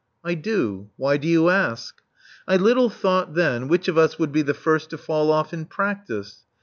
"I do. Why do you ask?" I little thought, then, which of us would be the first to fall off in practice.